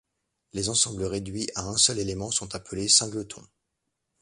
Les ensembles réduits à un seul élément sont appelés singletons.